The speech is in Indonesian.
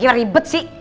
ini lagi ribet sih